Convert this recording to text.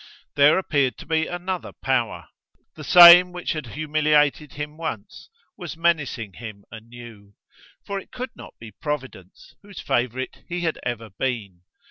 There appeared to be another Power. The same which had humiliated him once was menacing him anew. For it could not be Providence, whose favourite he had ever been.